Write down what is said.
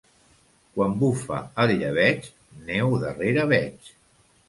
Quan bufa el llebeig, neu darrere veig.